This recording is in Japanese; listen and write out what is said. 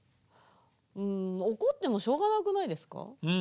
うん怒ってもしょうがなくないですか。